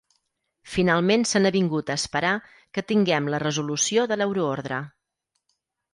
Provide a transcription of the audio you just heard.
Finalment s’han avingut a esperar que tinguem la resolució de l’euroordre.